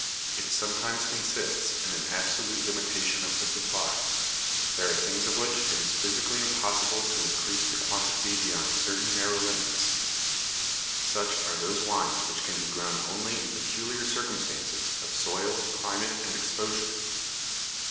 It sometimes consists in an absolute limitation of the supply. There are things of which it is physically impossible to increase the quantity beyond certain narrow limits. Such are those wines which can be grown only in peculiar circumstances of soil, climate, and exposure.